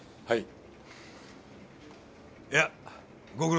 はい。